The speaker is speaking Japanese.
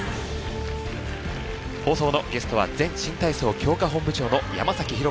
放送のゲストは前新体操強化本部長の山浩子さんです。